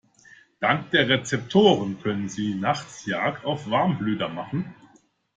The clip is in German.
Dank der Rezeptoren können sie nachts Jagd auf Warmblüter machen.